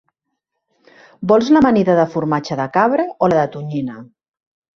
Vols l'amanida de formatge de cabra o la de tonyina?